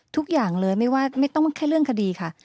ทุกอย่างเลยไม่ต้องแค่เรื่องคดีค่ะ